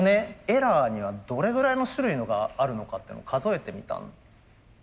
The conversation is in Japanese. エラーにはどれぐらいの種類があるのかっていうのを数えてみたんですよ。